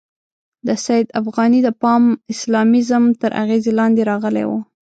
د سید افغاني د پان اسلامیزم تر اغېزې لاندې راغلی وو.